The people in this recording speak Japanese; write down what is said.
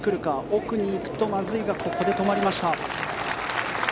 奥に行くとまずいがここで止まりました。